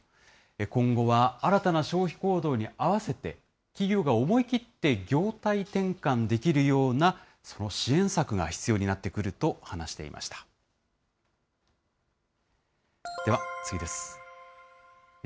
今後は新たな消費行動に合わせて、企業が思い切って業態転換できるようなその支援策が必要になってくると話していました。